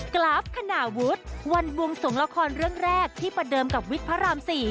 กราฟขณะวุฒิวันบวงสงละครเรื่องแรกที่ประเดิมกับวิทย์พระราม๔